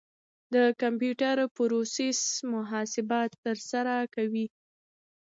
د کمپیوټر پروسیسر محاسبات ترسره کوي.